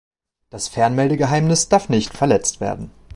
Das Fernmeldegeheimnis darf nicht verletzt werden.